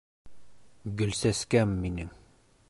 — Гөлсәскәм минең!